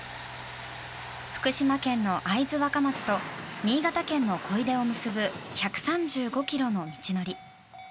福島県の会津若松と新潟県の小出を結ぶ１３５ｋｍの道のり。